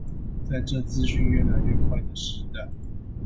在這資訊越來越快的時代